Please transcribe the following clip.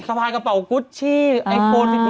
กระเป๋ากระเป๋ากุชชี่ไอโฟน๑๓แมนโป